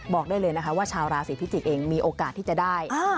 บอกได้เลยนะคะว่าชาวราศีพิจิกษ์เองมีโอกาสที่จะได้